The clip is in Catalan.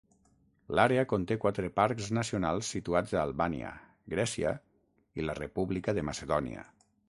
L'àrea conté quatre parcs nacionals situats a Albània, Grècia i la República de Macedònia.